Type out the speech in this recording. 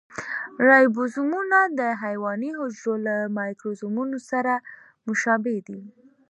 رایبوزومونه د حیواني حجرو له مایکروزومونو سره مشابه دي.